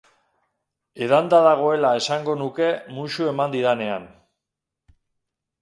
Edanda dagoela esango nuke muxu eman didanean.